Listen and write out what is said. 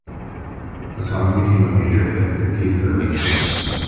The song became a major hit for Keith Urban.